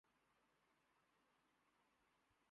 شعر کی فکر کو اسدؔ! چاہیے ہے دل و دماغ